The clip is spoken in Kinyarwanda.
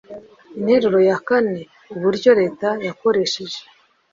interuro ya kane uburyo leta yakoresheje